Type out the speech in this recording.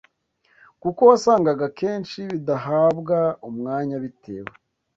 kuko wasangaga akenshi bidahabwa umwanya bitewe